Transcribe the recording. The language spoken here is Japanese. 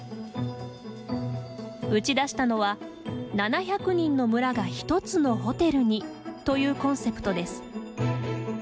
打ち出したのは「７００人の村がひとつのホテルに」というコンセプトです。